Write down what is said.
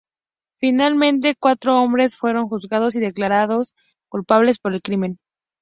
Finalmente cuatro hombres fueron juzgados y declarados culpables por el crimen.